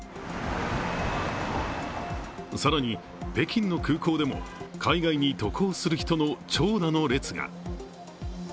更に、北京の空港でも海外に渡航する人の長蛇の列が。